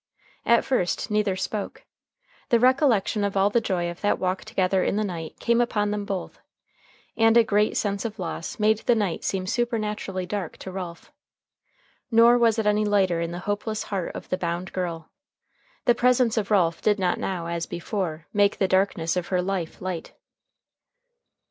At first neither spoke. The recollection of all the joy of that walk together in the night came upon them both. And a great sense of loss made the night seem supernaturally dark to Ralph. Nor was it any lighter in the hopeless heart of the bound girl. The presence of Ralph did not now, as before, make the darkness of her life light.